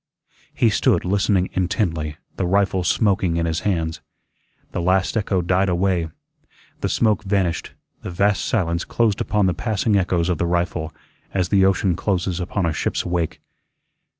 He stood listening intently, the rifle smoking in his hands. The last echo died away. The smoke vanished, the vast silence closed upon the passing echoes of the rifle as the ocean closes upon a ship's wake.